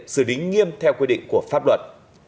xử lý nghiêm theo quy định của pháp luật